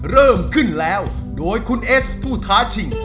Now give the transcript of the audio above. เริ่มขึ้นแล้วโดยคุณเอสผู้ท้าชิง